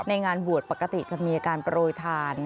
งานบวชปกติจะมีอาการโปรยทาน